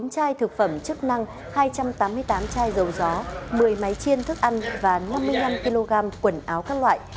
một mươi chai thực phẩm chức năng hai trăm tám mươi tám chai dầu gió một mươi máy chiên thức ăn và năm mươi năm kg quần áo các loại